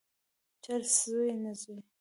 چرسي زوی، نه زوی.